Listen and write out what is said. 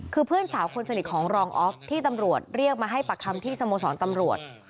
คือเพื่อนสาวคนสนิทของรองออฟที่ตำรวจเรียกมาให้ปากคำที่สโมสรตำรวจ